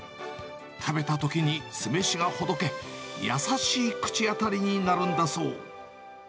食べたときに酢飯がほどけ、優しい口当たりになるんだそう。